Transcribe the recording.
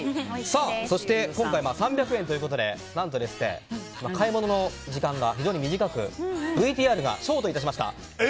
そして、今回は３００円ということで何と、買い物の時間が非常に短くＶＴＲがショートいたしました。